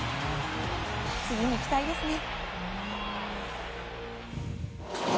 次に期待ですね。